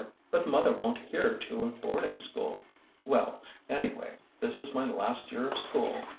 But mother won't hear to a boarding school. Well,— anyway, this is my last year of school